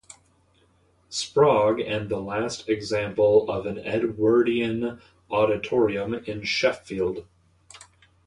Sprague and the last example of an Edwardian auditorium in Sheffield.